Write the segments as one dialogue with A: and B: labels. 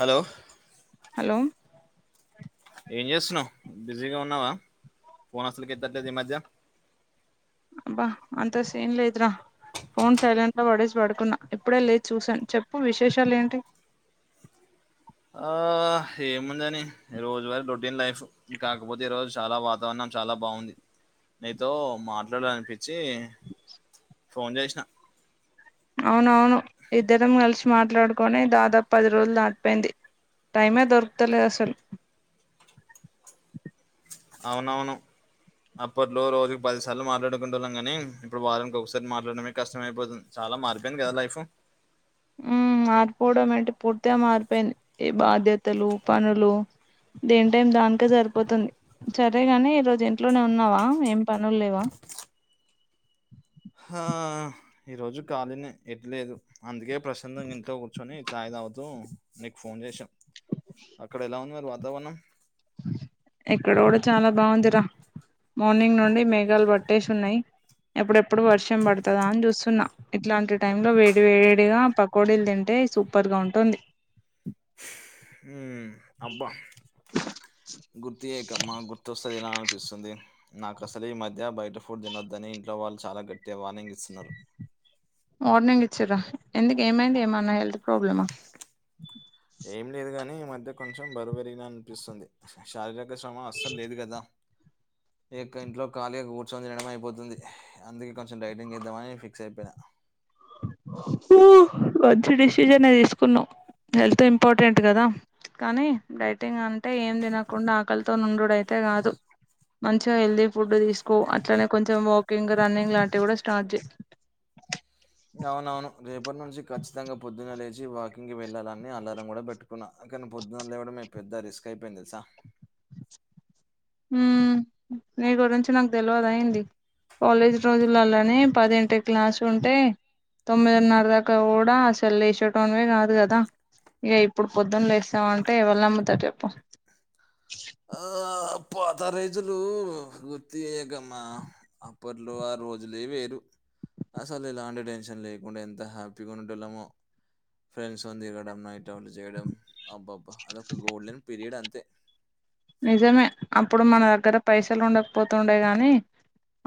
A: Hello
B: hello
A: ఏం చేస్తున్నావు బిజీగా ఉన్నావా ఫోన్ అసలుకి ఎత్తట్లేదు ఈ మధ్య
B: అబ్బా అంత సీన్ లేదురా ఫోన్ సైలెంట్ లో పడేసి పడుకున్నా ఇప్పుడే లేచి చూసాను చెప్పు విశేషాలు ఏంటి [inaudible]
A: ఆ ఏముందని రోజువార రొటీన్ లైఫ్ కాకపోతే ఈ రోజు చాలా వాతావరణం చాలా బాగుంది నీతో మాట్లాడాల అనిపించి ఫోన్ చేసిన
B: అవునవును ఇద్దరం కలిసి మాట్లాడుకొని దాదాపు పది రోజులు దాటిపోయింది టైమే దొరుకుతలేదు అసలు
A: అవునవును అప్పట్లో రోజుకి పదిసార్లు మాట్లాడుకునే టోల్లం కాని ఇప్పుడు వారానికి ఒకసారి మాట్లాడడమే కష్టమయిపోతుంది చాలా మారిపోయింది కదా లైఫ్
B: [inaudible] మారిపోవడం ఏంటి పూర్తిగా మారిపోయింది ఈ బాధ్యతలు పనులు దేని టైం దానికే సరిపోతుంది సరేగాని ఈ రోజు ఇంట్లోనే ఉన్నావా ఏం పనులు లేవా [inaudible]
A: ఆ ఈరోజు ఖాళీనే ఎటు లేదు అందుకే ప్రశాంతంగా ఇంట్లో కూర్చొని చాయ్ తాగుతున్న నీకు ఫోన్ చేసా అక్కడ ఎలా ఉంది మరి వాతావరణం
B: ఇక్కడ కూడా చాలా బాగుందిరా మార్నింగ్ నుండి మేఘాలు బట్టేసి ఉన్నాయి ఎప్పుడెప్పుడు వర్షం పడుతదా అని చూస్తున్నా ఇట్లాంటి టైమ్ లో వేడి వేడిగా పకోడీలు తింటే సూపర్ గా ఉంటుంది
A: అబ్బా గుర్తు చేయకమ్మా గుర్తొస్తు ఉంది తినాలనిపిస్తుంది నాకు అసలీ ఈ మధ్య బయట ఫుడ్ తినొద్దని ఇంట్లో వాళ్ళు చాలా గట్టి వార్నింగ్ ఇస్తున్నారు
B: వార్నింగ్ ఇచ్చరా ఎందుకు ఏమైంది ఏమన్న హెల్త్ ప్రాబ్లమా
A: ఏం లేదు గాని ఈ మధ్య కొంచెం బరువు పెరిగిన అనిపిస్తుంది శారీరక శ్రమ అస్సలు లేదు కదా
B: [inaudible]
A: ఇక ఇంట్లో ఖాళీగా కూర్చొని తినడం అయిపోతుంది అందుకే కొంచెం డైటింగ్ చేద్దామని ఫిక్స్ అయిపోయ
B: మంచి డిసిజెన్ తీసుకున్నావు హెల్త్ ఇంపార్టెంట్ కదా కానీ డైటింగ్ అంటే ఏం తినకుండా ఆకలితో నుండుడు అయితే కాదు మంచిగా హెల్తీ ఫుడ్ తీసుకో అట్లానే కొంచెం వాకింగ్ రన్నింగ్ లాంటివి కూడా స్టార్ట్ చేయి
A: అవునవును రేపు ఇప్పటి నుంచి ఖచ్చితంగా పొద్దున లేచి వాకింగ్ వెళ్ళాలని అలారం కూడా పెట్టుకున్నాను కానీ పొద్దున లేవడమే పెద్ద రిస్క అయిపోయింది తెల్సా
B: మ్మ్ నీ గురించి నాకు తెలియదా ఏంది కాలేజీ రోజులలోనే పదింటికీ క్లాసు ఉంటే తొమ్మిదిన్నర దాకా కూడా అసలు లేచేటోనివే కాదు కదా ఇగ ఇప్పుడు పొద్దున లేసినవంటే ఎవరు నమ్ముతారు చెప్పు
A: ఆ! పాత రోజులు గుర్తు చేయకమ్మా అప్పట్లో ఆ రోజులే వేరు అసలు ఇలాంటి టెన్షన్ లేకుండా ఎంత హ్యాపీగా ఉండేటోళ్ళమో ఫ్రెండ్స్ తో తిరగడం నైట్ అవుట్ చేయడం అబ్బాబ అదొక గోల్డెన్ పీరియడ్ అంతే
B: నిజమే అప్పుడు మన దగ్గర పైసలు ఉండకపోతుండే గాని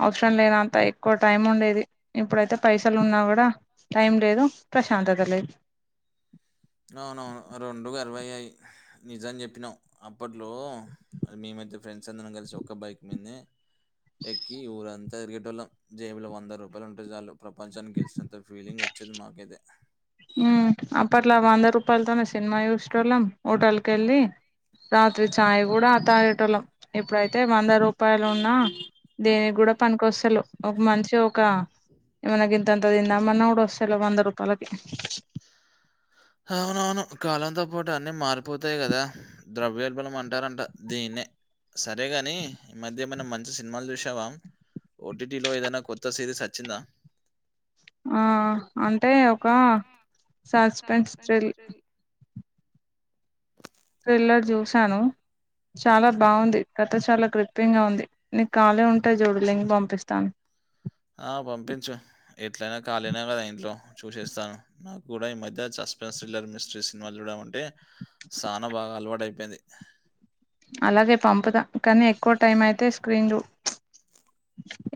B: అవసరం లేనంత ఎక్కువ టైం ఉండేది ఇప్పుడైతే పైసలు ఉన్నా కూడా టైం లేదు ప్రశాంతత లేదు
A: అవునవును రెండు కలవవు అవీ నిజం చెప్పినవ్ అప్పట్లో అది మేము మీ ఫ్రెండ్స్ అందరం కలిసి ఒక బైక్ మీదనే ఎక్కి ఊరంతా తిరిగేటోళ్ళం జేబులో వంద రూపాయలు ఉంటే చాలు ప్రపంచాన్ని గెలిచినంతా ఫీలింగ్ వచ్చేది మాకైతే
B: మ్మ్ అప్పట్లో వంద రూపాయలతోనే సినిమా చూసేటోళ్ళం హోటల్కి వెళ్ళి రాత్రి చాయ్ కూడా తాగేటోల్లం ఇప్పుడైతే వంద రూపాయలు ఉన్నా దేనికి కూడా పనికొస్తలేవు ఒక మంచి ఒక గింతంతా అంత తిందామన్నా కూడా వస్తలేవు వంద రూపాలకి
A: అవునవును కాలంతో పాటు అన్ని మారిపోతాయి కదా ద్రవ్యోల్బలం అంటారంట దీన్నే సరేగాని ఈ మధ్య ఏమన్న మంచి సినిమాలు చూసావా ఓటీటిలో ఏదైనా కొత్త సిరీస్ అచ్చిందా
B: ఆ అంటే ఒక సస్పెన్స్ థ్రిల్ త్రిల్లర్ చూసాను చాలా బాగుంది కథ చాలా క్రిప్యంగా ఉంది నీకు ఖాలే ఉంటే చూడు లింగ్ పంపిస్తాను
A: ఆ పంపించు ఎట్లయినా ఖాలీనే కదా ఇంట్లో చూసేస్తాను నాకు కూడా ఈ మధ్య చ సస్పెన్స త్రిల్లర్ మిస్ట్రీ సినిమాలు చూడమంటే సానా బాగా అలవాటైపోయింది
B: అలాగే పంపుదా కానీ ఎక్కువ టైం అయితే స్క్రీన్ రూ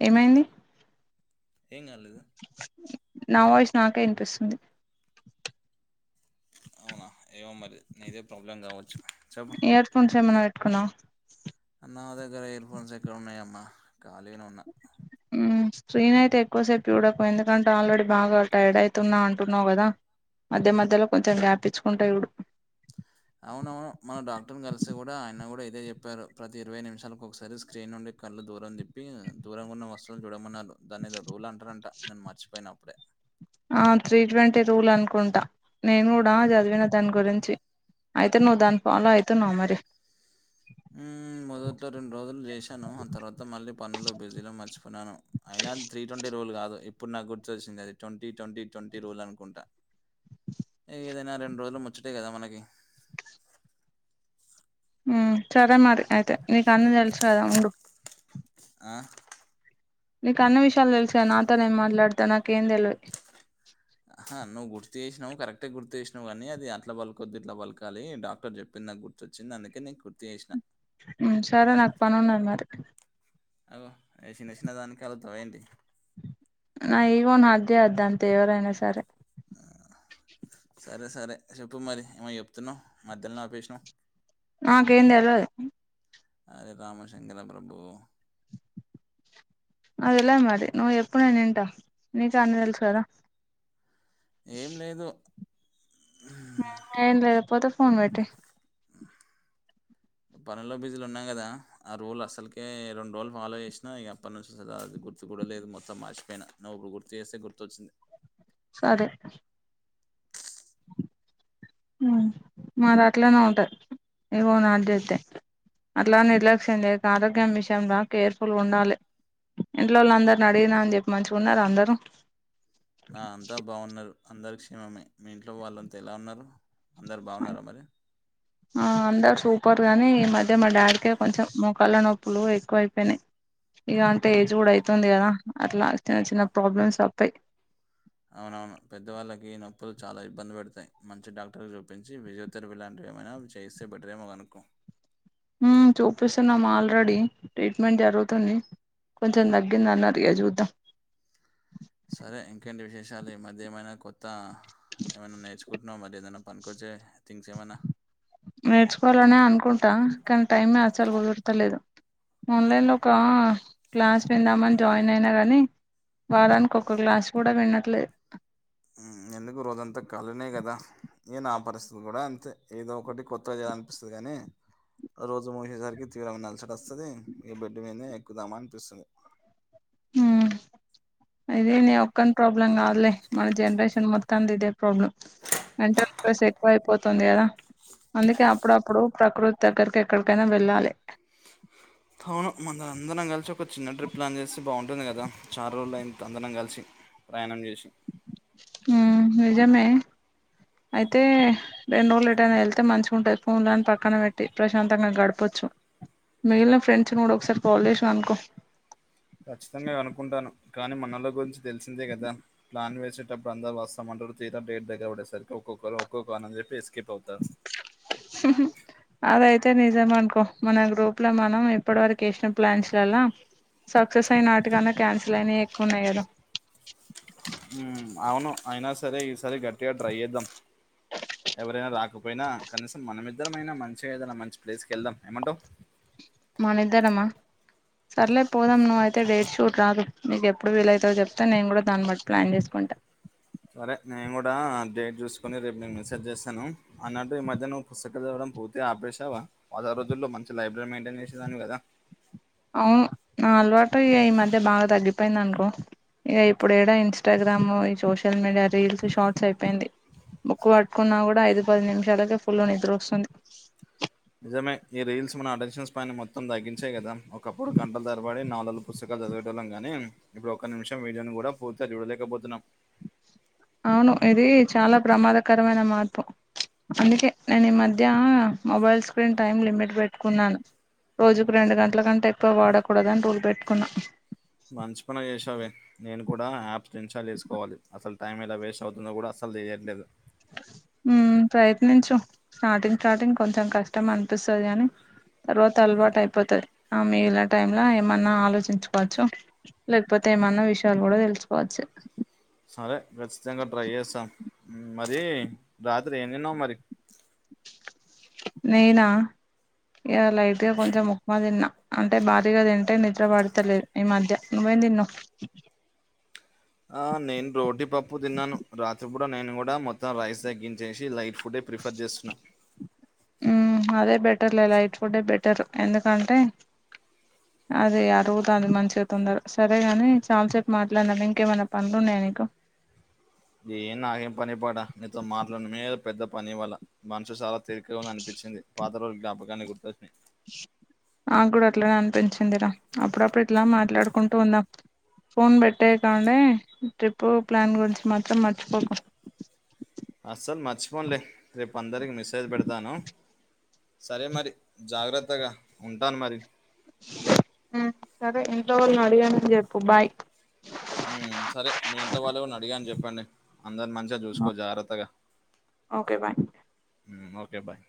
B: ఏమైంది
A: ఏం గాలేదు
B: నా వాయిస్ నాకే ఇనిపిస్తుంది
A: అవునా ఏమొ మరి నీదే ప్రాబ్లం కావచ్చు
B: ఇయర్ ఫోన్స్ ఏమన్న పెట్టుకున్నవ
A: నా దగ్గర ఇయర్ఫోన్స్ ఎక్కడ ఉన్నాయమ్మా ఖాళీగానే ఉన్న
B: ఊ స్క్రీన్ అయితే ఎక్కువసేపు చూడకు ఎందుకంటే ఆల్రెడీ బాగా టైర్డ్ ఐతున్నా అంటున్నావు కదా మధ్య మధ్యలో కొంచెం గ్యాపిచ్చుకుంట చూడు
A: అవునవును మన డాక్టర్ కలిసి కూడా ఆయన కూడా ఇదే చెప్పారు ప్రతి ఇరవై నిమిషాలకు ఒకసారి స్క్రీన్ నుండి కళ్ళ దూరం దిప్పి దూరంగా ఉన్న వస్తువులను చూడమన్నారు దాని ఏదో రూల్ అంటరంట నేను మర్చిపోయిన అప్పుడే
B: ఆ త్రీ ట్వంటీ రూల్ అనుకుంటా నేను కూడా చదివిన దాని గురించి అయితే నువ్ దాని ఫాలో ఐతునవా మరి
A: ఊ మొదట్లో రెండు రోజులు చేశాను ఆ తర్వాత మళ్ళీ పనులో బిజీలో మర్చిపో వునాను అయినా త్రీ ట్వంటీ రూల్ కాదు ఇప్పుడు నాకు గుర్తొచ్చింది అది ట్వంటీ ట్వంటీ ట్వంటీ రూల్ అనుకుంటా ఏదైనా రెండు రోజులు ముచ్చటే కదా మనకి
B: సరే మరి అయితే నీకు అన్ని తెలుసు కదా ఉండు
A: ఆ
B: నీకు అన్ని విషయాలు తెలుసు కదా నాతోనేం మాట్లాడతవ్ నాకేం తెల్వద్
A: ఆహ నువ్వు గుర్తు చేసినవ్ కరెక్ట్గా గుర్తు చేసినావు కానీ అది అట్లా బల్కొద్ది ఇట్లా బలకాలి డాక్టర్ చెప్పింది నాకు గుర్తుచ్చింది అందుకే నీక్ గుర్తు చెసిన
B: ఆ సరే నాకు పన్నునది మరి
A: అగొ ఏ చిన్న చిన్న దానికె అలుగుతవా ఏంటి
B: నా ఈగోను హట్ జేయద్దు అంతే ఎవరేనా సరె
A: ఆ, సరే సరే చెప్పు మరి ఏమొ చెప్తున్నావు మధ్యలోనే ఆపేసినవు
B: నాకేం తెల్వదు
A: అరే రామశంకర ప్రభు
B: నాకు తెల్వది మరి నువ్ ఎప్పు నేనింటా నీకన్ని తెల్సు కదా
A: ఏం లేదు
B: ఆ ఏం లేకపోతే ఫోన్ పెట్టేయ్
A: పనులో బిజిల ఉన్నా కదా ఆ రూల్ అసల్కె రెండు రోజలు ఫాలో చేసినా అప్పటి నుంచి స అది గుర్తు కూడా లేదు మొత్తం మార్చిపోయినా నువ్వు ఇప్పుడు గుర్తు చేస్తే గుర్తొచ్చింది
B: సరె ఆ మాదట్లనే ఉంటది ఇగో నట్ జెతే అట్లా నిర్లక్ష్యం చేయకు ఆరోగ్యం విషయంలా కేర్ఫుల్ ఉండాలే ఇంట్లోల్ని అందరిని అడిగినా అని చెప్పు మంచిగున్నర అందరూ
A: నా అంతా బాగున్నారు అందరు క్షేమమే మీ ఇంట్లో వాళ్ళంతా ఎలా ఉన్నారు అందరు బాగున్నారా మరి
B: ఆ అందరు సూపర్ గాని ఈ మధ్య మా డాడికే కొంచెం మొక్కళ్ల నొప్పులు ఎక్కువ అయిపోయినాయి ఇగ అంతే ఏజ్ కూడా అయితుంది కదా అట్లా చిన్న ప్రాబ్లమ్స్ తప్పాయి
A: అవునవును పెద్దవాళ్ళకి నొప్పులు చాలా ఇబ్బంది పెడతాయి మంచి డాక్టర్లుకు చూపించి ఫిజియోథెరపీ లాంటివి ఏమైనా చేయిస్తే బెటరేమో కనుకో
B: హు చూపిస్తున్నాం ఆల్రెడీ ట్రీట్మెంట్ జరుగుతుంది కొంచెం తగ్గిందన్నరు ఇగ చూద్దాం
A: సరే ఇంకేంటి విశేషాలు ఈ మధ్య ఏమైనా కొత్త ఏమైనా నేర్చుకుంటున్నావ మరి ఏదన్న పనికొచ్చే థింగ్స్ ఏమైనా
B: నేర్చుకోవాలనే అనుకుంటా కానీ టైమే అసలు కుదుర్తలేదు ఆన్లైన్ లో ఒక క్లాస్ విందామని జాయిన్ అయినా గనీ వారానికి ఒక క్లాస్ కూడా వినట్లే
A: ఎందుకు రోజంతా కళనే కదా ఏ నా ఆ పరిస్థితి కూడా అంతే ఏదో ఒకటి కొత్త చే అనిపిస్తది కానీ రోజు మూసేసరికి తీవ్రంగా నలసడ వస్తది ఈ బెడ్ మీదనే ఎక్కుదామనిపిస్తుంది
B: ఉహ్ ఇది నీ ఒక్కన్ ప్రాబ్లం కద్ లే మన జనరేషన్ మొత్తం ఇదే ప్రాబ్లం అంటే ప్రెస్ ఎక్కువ అయిపోతుంది కదా అందుకే అప్పుడప్పుడు ప్రకృతి దగ్గరకి ఎక్కడికైనా వెళ్ళాలె
A: అవును మన అందరం కలిసి ఒక చిన్న ట్రిప్ ప్లాన్ చేస్తే బాగుండు ఉంటుంది కదా చాన్ రోజులు అయింది అందరం కలిసి ప్రయాణం చేసి
B: హు నిజమే అయితే రెండు రోజులు ఏటైనా వెళ్తే మంచిగా ఉంటది ఫోన్లని పక్కన పెట్టి ప్రశాంతంగా గడప్ చ్చు మిలిగిన ఫ్రెండ్స్ ను కూడా ఒకసారి ఫోన్ చేసి కనుక్కో
A: ఖచ్చితంగా అనుకుంటానం కానీ మనలో గురించి తెలిసిందే కదా ప్లాన్ వేసేటప్పుడు అందరూ వేసేటప్పుడు అం తీరడేట్ దగ్గర పడేసరి ఒక్కొక్కరూ ఒక్కొక్క అని చెప్పేసి ఎస్కేప్ అవుతారు
B: టే నిజం అనుకో మన గ్రూప్ లో మనం ఇప్పటి వరకు వేసిన ప్లాన్స్ లల్లా సక్సెస్ అయిననాటి కన్నా క్యాన్సిల్ అయినావి ఎక్కువ ఉన్నాయి కదా
A: హు అవును అయినా సరే ఈసారి గట్టిగా ట్రై చేద్దాం ఎవరైనా రాకపోయినా కనీసం మనమిద్దరమైనా మంచిగా ఏదైనా మంచి ప్లేస్ కి వెళ్దాం ఏమంటావు
B: మన ఇద్దరమా సర్లే పోదాం నువ్ అయితే డేట్ షూట్ రాదు మీకు ఎప్పుడు వీల అవుతుందో చెప్తే నేను కూడా దాన్ని బట్టి ప్లాన్ చేస్ కుంటా
A: సరే నేను కూడా డేట్ చూసుకొని రేపు నేను మెసేజ్ చేస్తాను అన్నట్టు ఈ మధ్య నువ్వు పుస్తకాలు చదవడం పోతే ఆపేసావా వద రోజుల్లో మంచి లైబ్రరీ మెయింటైన్ చేసేదానివి కదా
B: అవును నా అలవాటు ఇగ ఈ మధ్య బాగా తగ్గిపోయింది కో ఇగ ఇప్పుడు ఎడ ఇన్స్టాగ్రామ్ ఈ సోషల్ మీడియా రీల్స్ షార్ట్స్ అయిపోయింది బుక్కు పట్టుకున్నా కూడా ఐదు పది నిమిషాలకే ఫుల్ నిద్ర వస్తుంది
A: నిజమే ఈ రీల్స్ మన అటెన్షన్స్ పైన మొత్తం తగ్గించాయి కదా ఒకప్పుడు గంటల తరబడి నాల్ పుస్తకాలు చదవెటోల్లం గాని ఇప్పుడు ఒక్క నిమిషం వీడియోని కూడా పూర్తిగా చూడలేకపోతున్నాం
B: అవును ఇది చాలా ప్రమాదకరమైన మార్పు అందుకే నేను ఈ మధ్య మొబైల్ స్క్రీన్ టైం లిమిట్ పెట్టుకున్నాను రోజుకు రెండు గంటల కంటే ఎక్కువ వాడకూడదని రూల్ పెట్టుకున్నా
A: మంచి పని చేసావే నేను కూడా యాప్స్ ఇన్స్టాల్ చేసుకోవాలి అసలు టైం ఎలా వేస్ట్ అవుతుందో కూడా అసలు తెయట్లేదు
B: హ్మ్ ప్రయత్నించు స్టార్టింగ్ స్టార్టింగ్ కొంచెం కష్టం అనిపిస్తాది కాని తర్వాత అలవాటు అయిపోతది ఆ మిగిలిన టైమ్లా ఏమన్నా ఆలోచించుకోవచ్చు లేకపోతే ఏమన్న విషయాలు కూడా తెలుసుకోవచ్చు
A: సరే ఖచ్చితంగా ట్రై చేస్తా మరి రాత్రి ఏం తిన్నావ్ మరి
B: నేనా ఇ లైట్ గా కొంచెం ఉక్మ తిన్నా అంటే భారీగా తింటే నిద్ర పడతలేదు ఈ మధ్య నువ్వే ఏం తిన్నవు.
A: ఆ నేను రోటీ పప్పు తిన్నాను. రాత్రి పూట నేను కూడా మొత్తం రైస్ తగ్గించేసి లైట్ ఫు
B: హ్ అదే బెటర్లే లైట్ ఫుడ్డే బెటర్. ఎందుకంటే అదే అరుగుతాంది మంచిగా తోందరా సరే గాని చాలా సేపు మాట్లాడినం, ఇంకేమన్నా పనులు ఉన్నయా నీకు
A: ఏ నాకేం పని పాటా నీతోని మాట్లాడడమే పెద్ద పని ఇవ్వాళా. మనసు చాలా తెలికగా అనిపి చ్చింది. పాత రోజుల జ్ఞాపకాన్ని గుర్తొచ్చినయి.
B: నాక్కూడా అట్లనే అనిపించిందిరా. అప్పుడప్పుడు ఇట్లా మాట్లాడుకుంటూ ఉందాం. ఫోన్ పెట్టేయ గానే ట్రిప్పు ప్లాన్ గురించి మాత్రం మర్చిపోకు.
A: అస్సలు మర్చిపోనులే రేపు అందరికి మెసేజ్ పెడతాను. సరే మరి జాగ్రత్తగా ఉంటాను మరి.
B: సరే ఇంట్లో వాళ్ళని అడిగానని చెప్పు బాయ్.
A: చెప్పన్ నేను అందర్ని మంచిగా చూసుకో జాగ్రత్తగా
B: ఓకే బాయ్
A: ఓకే బాయ్.